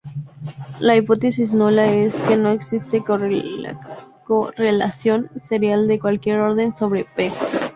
La hipótesis nula es que no exista correlación serial de cualquier orden sobre "p".